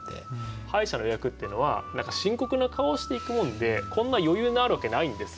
歯医者の予約っていうのは深刻な顔して行くもんでこんな余裕のあるわけないんですよ。